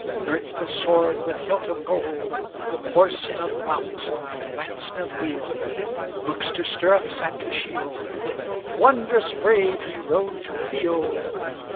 Girt the sword with hilt of gold, Horse doth mount, and lance doth wield, Looks to stirrups and to shield, Wondrous brave he rode to field.